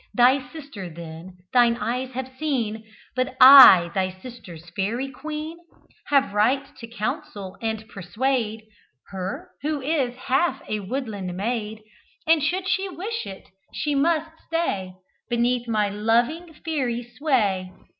Thy sister, then, thine eyes have seen, But I, thy sister's Fairy queen, Have right to counsel and persuade Her who is half a woodland maid And should she wish it, she must stay Beneath my loving Fairy sway.